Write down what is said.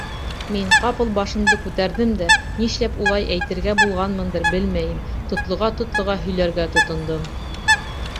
Мин, ҡапыл башымды күтәрҙем дә, нишләп улай әйтергә булғанмындыр, белмәйем, тотлоға-тотлоға һөйләргә тотондом: